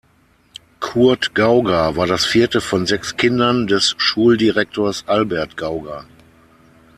Kurt Gauger war das vierte von sechs Kindern des Schuldirektors Albert Gauger.